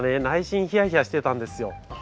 内心ヒヤヒヤしてたんですよ。